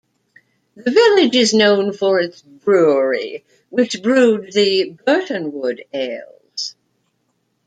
The village is known for its brewery, which brewed the Burtonwood ales.